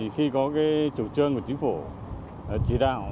khi có chủ trương của chính phủ chỉ đạo